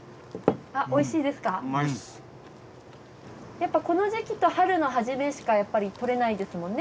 やっぱりこの時期と春のはじめしかやっぱり採れないですもんね。